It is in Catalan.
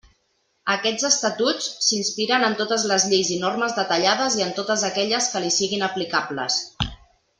Aquests Estatuts s'inspiren en totes les lleis i normes detallades i en totes aquelles que li siguin aplicables.